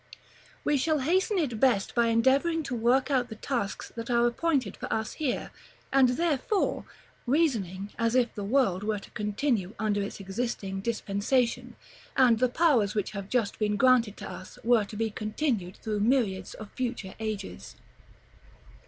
We shall hasten it best by endeavoring to work out the tasks that are appointed for us here; and, therefore, reasoning as if the world were to continue under its existing dispensation, and the powers which have just been granted to us were to be continued through myriads of future ages.